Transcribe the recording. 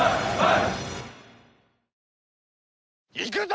「いくぞ！